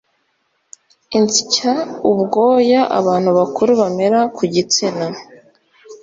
insya ubwoya abantu bakuru bamera ku gitsina